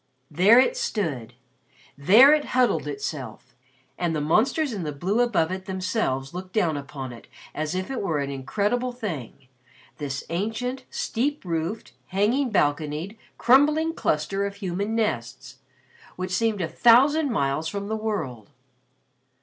There it stood. There it huddled itself. And the monsters in the blue above it themselves looked down upon it as if it were an incredible thing this ancient, steep roofed, hanging balconied, crumbling cluster of human nests, which seemed a thousand miles from the world.